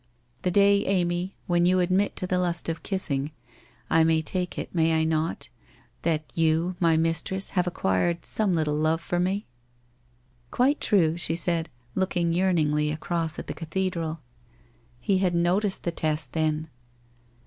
The day, Amy, when you admit to the lust of kissing, I may take it, may I not, that you, my mis tress, have acquired some little love for me?' ' Quite true !' she said, looking yearningly across at the cathedral. He had noticed the test, then!